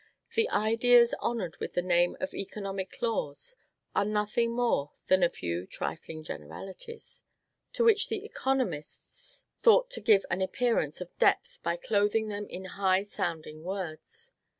The ideas honored with the name of economic laws are nothing more than a few trifling generalities, to which the economists thought to give an appearance of depth by clothing them in high sounding words.